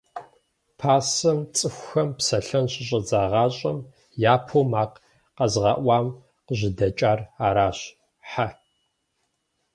Пасэм, цӀыхухэм псэлъэн щыщӀадзагъащӀэм, япэу макъ къэзыгъэӀуам къыжьэдэкӀар аращ – Хьэ.